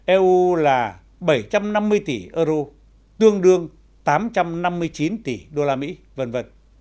eu là bảy trăm năm mươi tỷ euro tương đương tám trăm năm mươi chín tỷ usd v v